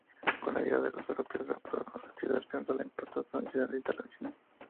Con la llegada de los europeos la ciudad alcanzó la importancia nacional e internacional.